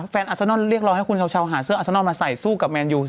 แฟนอัลซานอลเรียกรอให้คุณเฉาหาเสื้ออัลซานอลมาใส่สู้กับแมนยู